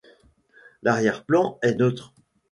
L'arrière-plan est neutre.